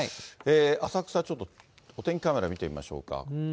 浅草、ちょっとお天気カメラ見てみましょうか。